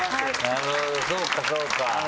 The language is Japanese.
なるほどそうかそうか。